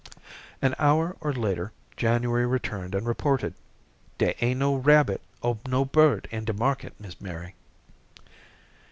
An hour later January returned and reported: "Dere ain't no rabbit or no bird in de market, Miss Mary."